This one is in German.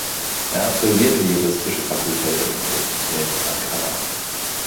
Er absolvierte die juristische Fakultät der Universität Ankara.